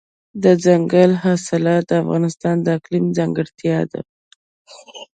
دځنګل حاصلات د افغانستان د اقلیم ځانګړتیا ده.